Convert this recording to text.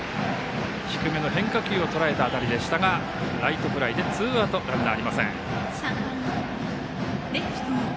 低めの変化球をとらえた当たりでしたがライトフライでツーアウト、ランナーありません。